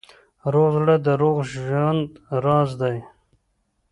روغ زړه د روغ ژوند راز دی.